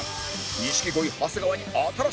錦鯉長谷川に新しい奥歯が！